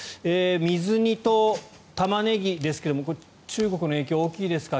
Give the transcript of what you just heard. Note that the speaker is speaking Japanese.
水煮とタマネギですが中国の影響、大きいですか。